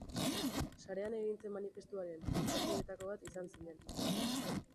Sarean egin zen manifestuaren sustatzaileetako bat izan zinen.